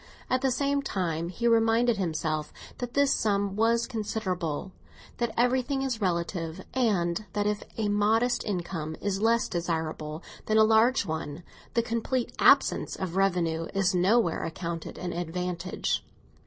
At the same time he reminded himself that this sum was considerable, that everything is relative, and that if a modest income is less desirable than a large one, the complete absence of revenue is nowhere accounted an advantage.